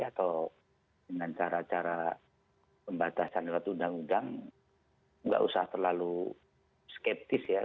atau dengan cara cara pembatasan lewat undang undang nggak usah terlalu skeptis ya